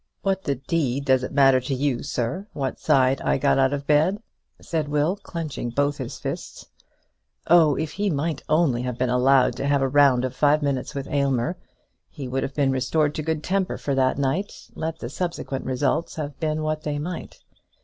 "What the d does it matter to you, sir, what side I got out of bed?" said Will, clenching both his fists. Oh; if he might only have been allowed to have a round of five minutes with Aylmer, he would have been restored to good temper for that night, let the subsequent results have been what they might.